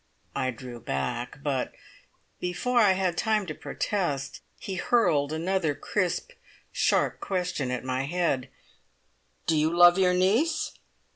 I drew back; but, before I had time to protest, he hurled another crisp, sharp question at my head: "Do you love your niece?"